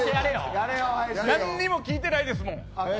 何も聞いてないですもん。